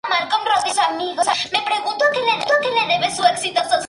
Roberts aceptó reunirse con ellos para ver la demostración en pocas semanas.